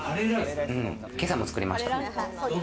今朝も作りました。